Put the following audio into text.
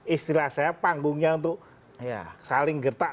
istilah saya panggungnya untuk saling gertak